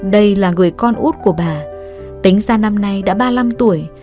đây là người con út của bà tính ra năm nay đã ba mươi năm tuổi